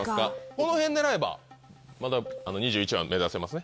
このへん狙えばまだ２１は目指せますね。